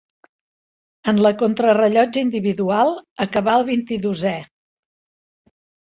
En la contrarellotge individual acabà el vint-i-dosè.